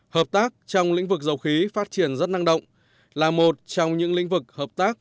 hợp tác trong lĩnh vực dầu khí phát triển rất năng động là một trong những lĩnh vực hợp tác